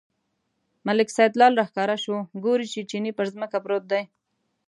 ملک سیدلال راښکاره شو، ګوري چې چیني پر ځمکه پروت دی.